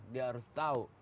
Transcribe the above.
dia harus tahu